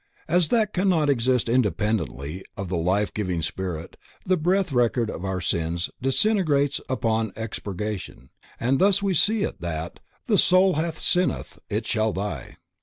As that cannot exist independently of the life giving spirit, the breath record of our sins disintegrates upon expurgation, and thus we see that "the soul that sinneth, it shall die."